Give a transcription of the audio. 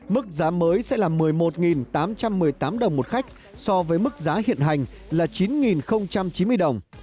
mức giá mới sẽ là một mươi một tám trăm một mươi tám đồng một khách so với mức giá hiện hành là chín chín mươi đồng